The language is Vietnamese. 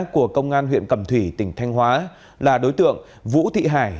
của công an huyện cẩm thủy tỉnh thanh hóa là đối tượng vũ thị hải